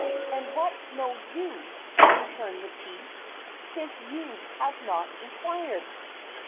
"And what know you," returned the chief, "since you have not inquired?"